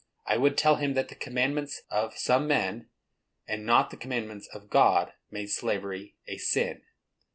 I would tell him that the commandments of some men, and not the commandments of God, made slavery a sin.